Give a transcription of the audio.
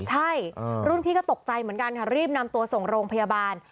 ใช่รุ่นพี่ก็ตกใจเหมือนกันค่ะรีบนำตัวส่งโรงพยาบาล